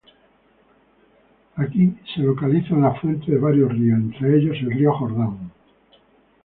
Aquí se localizan las fuentes de varios ríos, entre ellos el río Jordán.